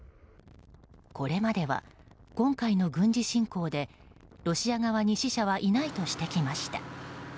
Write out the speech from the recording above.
これまでは今回の軍事侵攻でロシア側に死者はいないとしてきました。